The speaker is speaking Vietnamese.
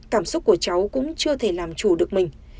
cảm xúc của cháu cũng chưa thể làm chủ được mình